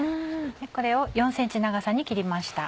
これを４ｃｍ長さに切りました。